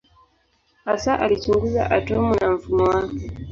Hasa alichunguza atomu na mfumo wake.